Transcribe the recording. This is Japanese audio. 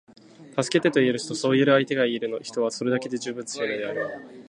「助けて」と言える人，そう言える相手がいる人は，それだけで十分強いのである．